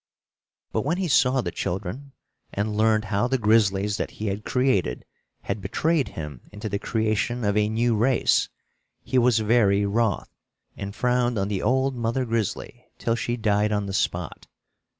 But when he saw the children, and learned how the grizzlies that he had created had betrayed him into the creation of a new race, he was very wroth, and frowned on the old mother Grizzly till she died on the spot.